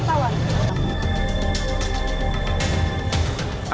tapi mau biar ketawa